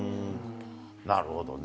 なるほどね。